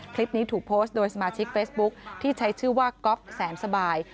คลิปนี้ถูกโพสต์โดยสมาชิกเฟซบุ๊คที่ใช้ชื่อว่าก๊อฟแสนสบาย